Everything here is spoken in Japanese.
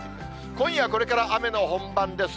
今夜、これから雨の本番です。